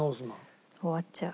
終わっちゃう。